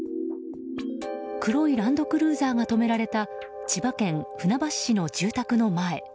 黒いランドクルーザーが止められた千葉県船橋市の住宅の前。